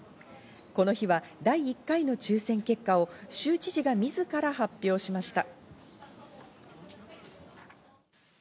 この日は第１回の抽選結果を州知事が自ら発表しました。